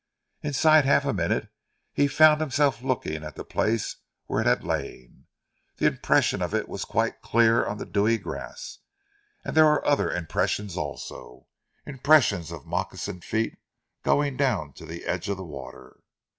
Inside half a minute he found himself looking at the place where it had lain. The impression of it was quite clear on the dewy grass, and there were other impressions also impressions of moccasined feet going down to the edge of the water.